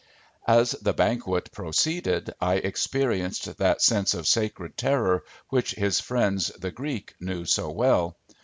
As the banquet proceeded, I experienced that sense of sacred terror which his friends, the Greeks, knew so well.